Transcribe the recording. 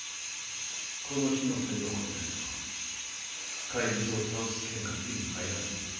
「この火の谷を越えないと怪物を倒す剣が手に入らないわ」。